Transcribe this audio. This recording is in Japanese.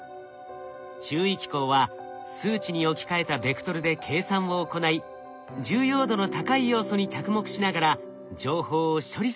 注意機構は数値に置き換えたベクトルで計算を行い重要度の高い要素に着目しながら情報を処理する仕組み。